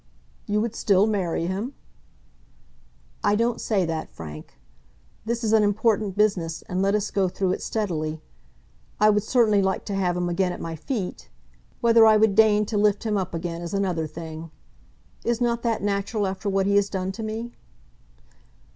"You would still marry him?" "I don't say that, Frank. This is an important business, and let us go through it steadily. I would certainly like to have him again at my feet. Whether I would deign to lift him up again is another thing. Is not that natural, after what he has done to me?"